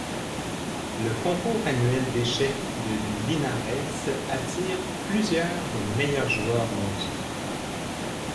Le concours annuel d'échecs de Linares attire plusieurs des meilleurs joueurs mondiaux.